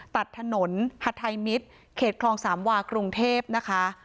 ตัดถนนฮัทไทยมิตรเขตคลองสามวากรุงเทพนะคะ